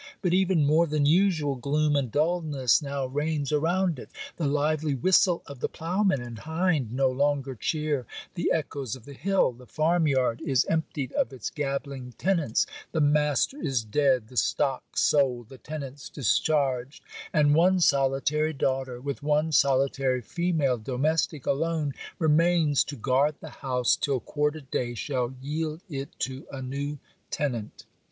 But even more than usual gloom and dulness now reigns around it. The lively whistle of the ploughman and hind no longer chear the echoes of the hill. The farm yard is emptied of its gabbling tenants. The master is dead, the stock sold, the tenants discharged, and one solitary daughter, with one solitary female domestic alone, remains to guard the house till quarter day shall yield it to a new tenant.